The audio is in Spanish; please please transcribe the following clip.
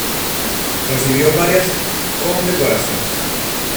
Recibió varias condecoraciones.